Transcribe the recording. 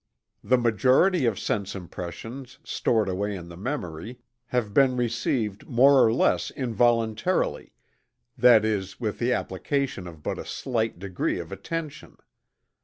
The majority of sense impressions, stored away in the memory, have been received more or less involuntarily, that is with the application of but a slight degree of attention.